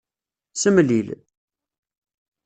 Semlil.